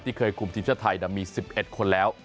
เคยคุมทีมชาติไทยมี๑๑คนแล้ว